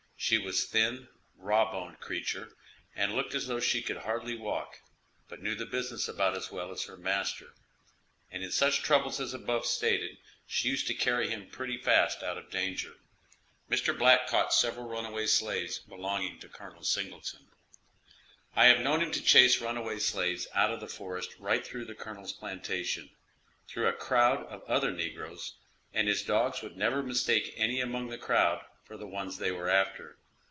She was a thin, raw boned creature and looked as though she could hardly walk, but knew the business about as well as her master; and in such troubles as above stated she used to carry him pretty fast out of danger. Mr. Black caught several runaway slaves belonging to Col. Singleton. I have known him to chase runaway slaves out of the forest right through the colonel's plantation, through a crowd of other negroes, and his dogs would never mistake any among the crowd for the ones they were after.